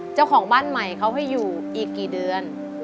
เจ้าของบ้านใหม่เขาให้อยู่อีกกี่เดือน